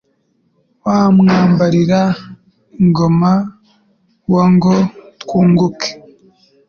Wa Mwambarira-ngoma wa Ngo-twunguke,